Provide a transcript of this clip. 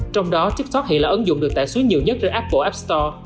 trong đó tiktok hiện là ấn dụng được tại số nhiều nhất trên apple app store